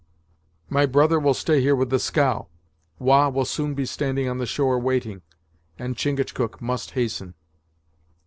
"My brother will stay here with the scow. Wah will soon be standing on the shore waiting, and Chingachgook must hasten."